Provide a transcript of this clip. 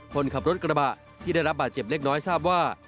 คนขับรถกระบะที่ได้รับบาดเจ็บเล็กน้อยทราบว่า